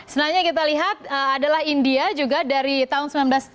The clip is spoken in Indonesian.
sebenarnya kita lihat adalah india juga dari tahun seribu sembilan ratus tujuh puluh